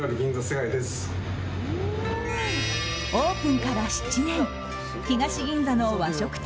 オープンから７年東銀座の和食店